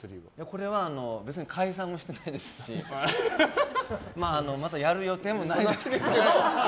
これは解散もしてないですしまあまたやる予定もないですけど。